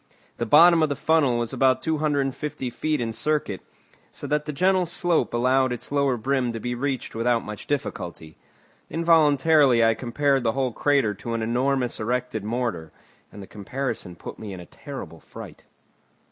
The bottom of the funnel was about 250 feet in circuit, so that the gentle slope allowed its lower brim to be reached without much difficulty. Involuntarily I compared the whole crater to an enormous erected mortar, and the comparison put me in a terrible fright.